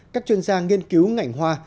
các chuyên gia nghiên cứu ngành hoa